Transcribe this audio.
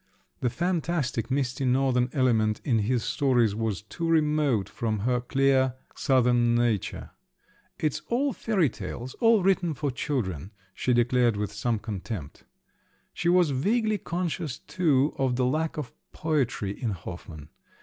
The fantastic, misty northern element in his stories was too remote from her clear, southern nature. "It's all fairy tales, all written for children!" she declared with some contempt. She was vaguely conscious, too, of the lack of poetry in Hoffmann.